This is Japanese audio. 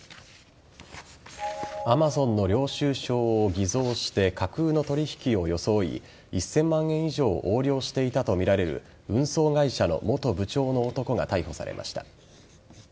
Ａｍａｚｏｎの領収書を偽造して、架空の取引を装い１０００万円以上を横領していたとみられる運送会社の元部長の男が逮捕されました。